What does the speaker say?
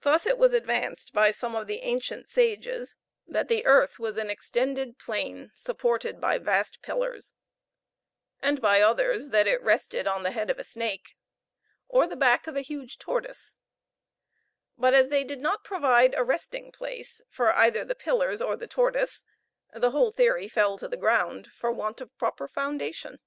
Thus it was advanced by some of the ancient sages that the earth was an extended plain, supported by vast pillars; and by others that it rested on the head of a snake, or the back of a huge tortoise; but as they did not provide a resting place for either the pillars or the tortoise, the whole theory fell to the ground for want of proper foundation.